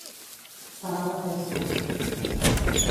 Salar la festa.